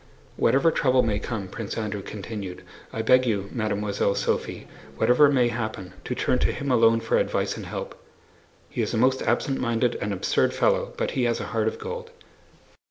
"Whatever trouble may come," Prince Andrew continued, "I beg you, Mademoiselle Sophie, whatever may happen, to turn to him alone for advice and help! He is a most absent minded and absurd fellow, but he has a heart of gold."